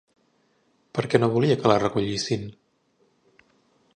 Per què no volia que la recollissin?